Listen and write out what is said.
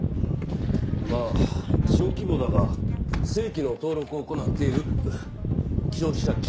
まあ小規模だが正規の登録を行っている消費者金融